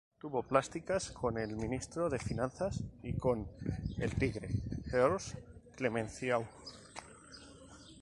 Tuvo pláticas con el ministro de finanzas y con "El Tigre", Georges Clemenceau.